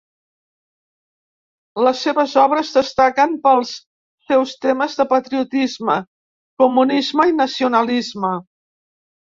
Les seves obres destaquen pels seus temes de patriotisme, comunisme i nacionalisme.